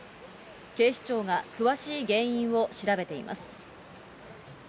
警視庁が詳しい原因を調べています。